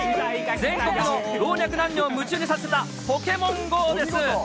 全国の老若男女を夢中にさせたポケモンＧＯです。